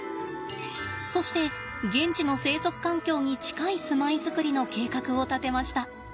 そして現地の生息環境に近い住まいづくりの計画を立てました。